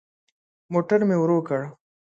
موټر مي ورو کړ .